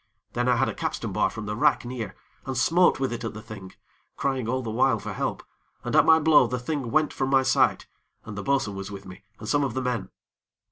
Then I had a capstan bar from the rack near, and smote with it at the thing, crying all the while for help, and at my blow the thing went from my sight, and the bo'sun was with me, and some of the men.